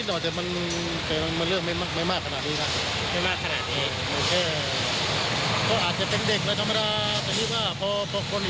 แต่เรื่องลูกเขาอาจจะจริงเพราะว่าเรื่องลูกเขาเนี่ย